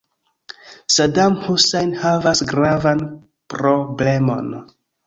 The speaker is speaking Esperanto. Sadam Husajn havas gravan problemon.